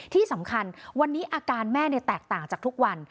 ที่สำคัญวันนี้อาการแม่แตกต่างจากทุกวัน